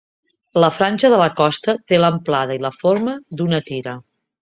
La franja de la costa té l'amplada i la forma d'una tira.